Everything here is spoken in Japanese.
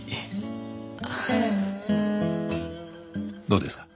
どうですか？